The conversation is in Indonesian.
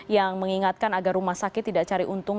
yang mengingatkan agar rumah sakit tidak cari untung